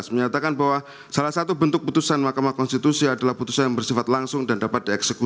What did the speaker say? menyatakan bahwa salah satu bentuk putusan mahkamah konstitusi adalah putusan yang bersifat langsung dan dapat dieksekusi